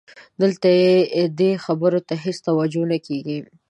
دلته دې خبرې ته هېڅ توجه نه کېږي.